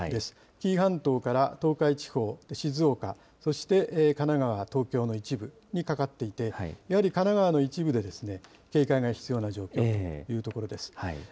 紀伊半島から東海地方、静岡、そして神奈川、東京の一部にかかっていて、やはり神奈川の一部で警戒が必要な状況というところです。